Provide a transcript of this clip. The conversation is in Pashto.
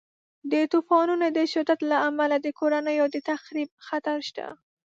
د طوفانونو د شدت له امله د کورنیو د تخریب خطر شته.